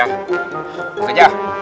nggak usah aja